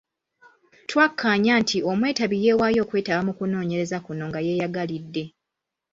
Twakkaanya nti omwetabi yeewaayo okwetaba mu kunoonyereza kuno nga yeeyagalidde.